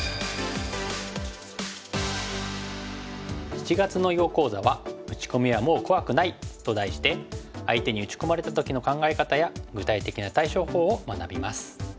７月の囲碁講座は「打ち込みはもう怖くない」と題して相手に打ち込まれた時の考え方や具体的な対処法を学びます。